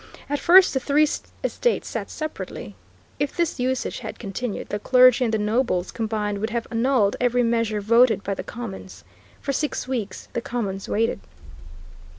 At first the three estates sat separately. If this usage had continued, the Clergy and the Nobles combined would have annulled every measure voted by the Commons. For six weeks the Commons waited.